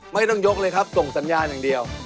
ไม่ต้องยกเลยครับส่งสัญญาณอย่างเดียว